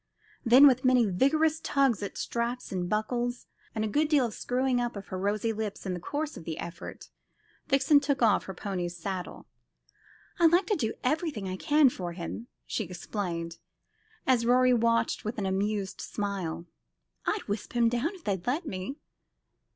Then, with many vigorous tugs at straps and buckles, and a good deal of screwing up of her rosy lips in the course of the effort, Vixen took off her pony's saddle. "I like to do everything I can for him," she explained, as Rorie watched her with an amused smile; "I'd wisp him down if they'd let me."